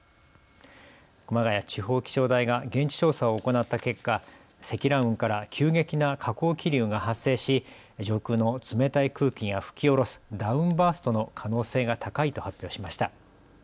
熊谷地方気象台が現地調査を行った結果、積乱雲から急激な下降気流が発生し上空の冷たい空気が吹き降ろすダウンバーストの可能性が高いと発表しました。